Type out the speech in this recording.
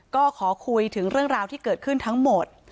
ก็ขอคุยถึงเรื่องราวที่เกิดขึ้นทั้งหมด